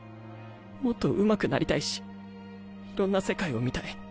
もっとうまくなりたいしいろんな世界を見たい。